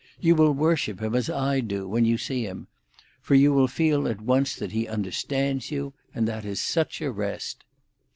You will worship him, as I do, when you see him; for you will feel at once that he understands you, and that is such a rest.